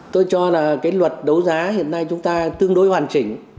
tôi cho là cái luật đấu giá hiện nay chúng ta tương đối hoàn chỉnh